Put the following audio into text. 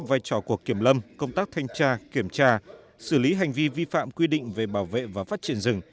vai trò của kiểm lâm công tác thanh tra kiểm tra xử lý hành vi vi phạm quy định về bảo vệ và phát triển rừng